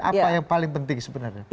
apa yang paling penting sebenarnya